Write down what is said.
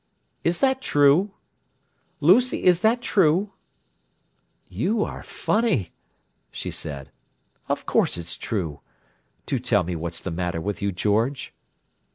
"Is that true? Lucy, is that true?" "You are funny!" she said. "Of course it's true. Do tell me what's the matter with you, George!"